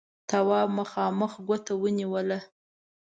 تواب مخامخ ګوته ونيوله: